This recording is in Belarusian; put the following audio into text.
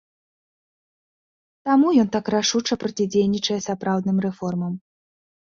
Таму ён так рашуча процідзейнічае сапраўдным рэформам.